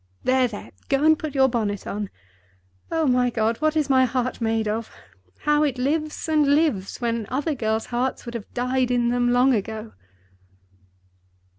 There! there! go and put your bonnet on. Oh, my God, what is my heart made of! How it lives and lives, when other girls' hearts would have died in them long ago!"